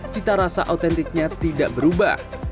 cita rasa autentiknya tidak berubah